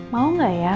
mau gak ya